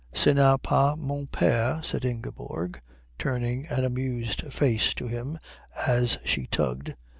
"Ce n'est pas mon père," said Ingeborg, turning an amused face to him as she tugged.